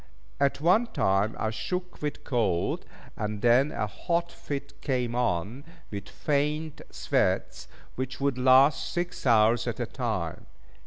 At one time I shook with cold, and then a hot fit came on, with faint sweats, which would last six hours at a time.